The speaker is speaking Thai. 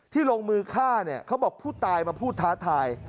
ลงมือฆ่าเนี่ยเขาบอกผู้ตายมาพูดท้าทาย